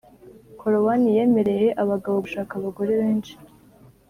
korowani yemereye abagabo gushaka abagore benshi